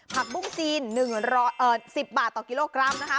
ผักบุ้งจีน๑๑๐บาทต่อกิโลกรัมนะคะ